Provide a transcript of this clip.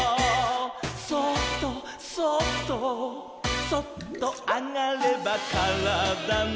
「そっとそっとそっとあがればからだの」